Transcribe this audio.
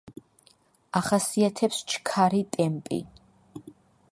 ახასიათებს ჩქარი ტემპი.